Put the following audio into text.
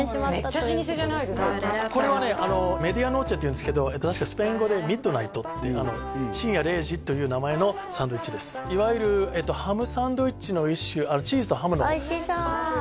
めっちゃ老舗じゃないですかこれはねメディアノーチェというんですけど確かスペイン語でミッドナイトって深夜０時という名前のサンドウィッチですいわゆるハムサンドウィッチの一種チーズとハムのおいしそう！